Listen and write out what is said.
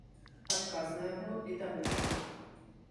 Адказ на яго відавочны.